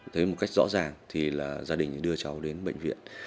thấy một cách rõ ràng thì là gia đình đưa cháu đến bệnh viện